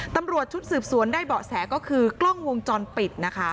ตำรวจชุดสืบสวนได้เบาะแสก็คือกล้องวงจรปิดนะคะ